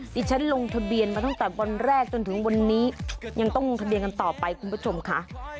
ที่ฉันลงทะเบียนมาตั้งแต่วันแรกจนถึงวันนี้ยังต้องลงทะเบียนกันต่อไปคุณผู้ชมค่ะ